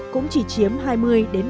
cũng chỉ chiếm hai mươi đến ba mươi